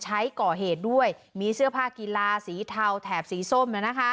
ใช้ก่อเหตุด้วยมีเสื้อผ้ากีฬาสีเทาแถบสีส้ม